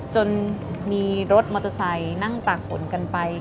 จนมีรถมอเตอร์ไซค์นั่งตากฝนกันไป